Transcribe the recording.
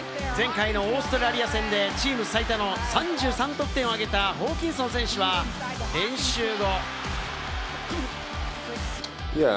前回のオーストラリア戦でチーム最多の３３得点をあげた、ホーキンソン選手、練習後。